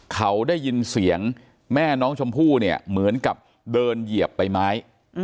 เขาได้ยินเสียงแม่น้องชมพู่เนี่ยเหมือนกับเดินเหยียบใบไม้